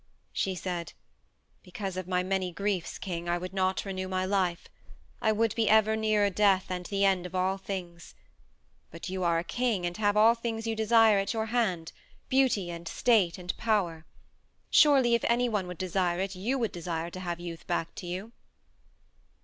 She said: "Because of my many griefs, king, I would not renew my life. I would be ever nearer death and the end of all things. But you are a king and have all things you desire at your hand beauty and state and power. Surely if any one would desire it, you would desire to have youth back to you."